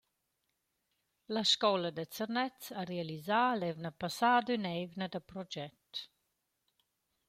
La scoula da Zernez ha realisà l’eivna passada ün’eivna da proget.